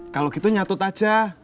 kalo gitu nyatut aja